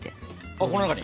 あっこの中に？